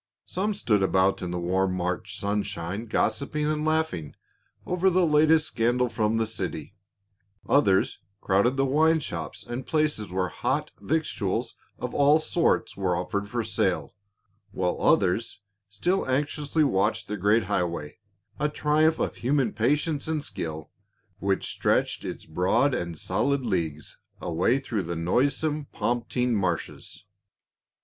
Some stood about in the warm March sunshine gossiping and laughing over the latest scandal from the city, others crowded the wine shops and places where hot victuals of all sorts were offered for sale, while others still anxiously watched the great highway, a triumph of human patience and skill, which stretched its broad and solid leagues away through the noisome Pomp tine marshes.